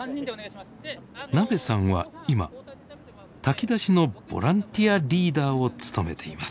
なべさんは今炊き出しのボランティアリーダーを務めています。